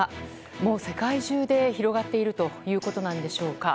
もう世界中で広がっているということなんでしょうか。